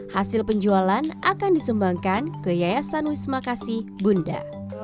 hasil penjualan akan disumbangkan ke yayasan wismakasi bunda